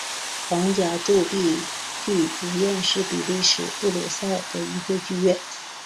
皇家铸币局剧院是比利时布鲁塞尔的一座剧院。